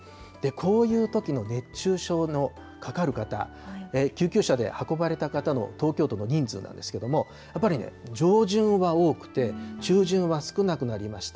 こういうときの熱中症のかかる方、救急車で運ばれた方の東京都の人数なんですけれども、やっぱりね、上旬は多くて、中旬は少なくなりました。